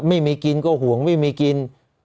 ไม่มีกินก็ห่วงไม่มีกิน